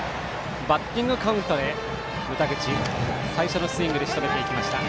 バッティングカウントで牟田口最初のスイングでしとめていきました。